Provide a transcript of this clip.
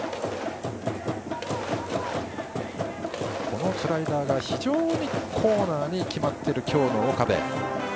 このスライダーが非常にコーナーに決まっている今日の岡部。